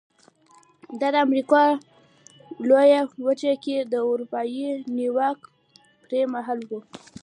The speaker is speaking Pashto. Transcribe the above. دا د امریکا لویه وچه کې د اروپایي نیواک پر مهال و.